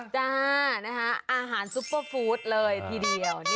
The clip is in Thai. จ้านะคะอาหารซุปเปอร์ฟู้ดเลยทีเดียว